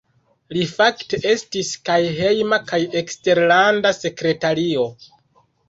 Li fakte estis kaj Hejma kaj Eksterlanda Sekretario.